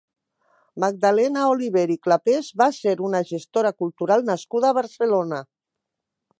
Magdalena Oliver i Clapés va ser una gestora cultural nascuda a Barcelona.